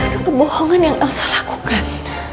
karena kebohongan yang elsa lakukan